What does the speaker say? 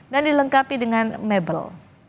dan dilengkapi dengan mebel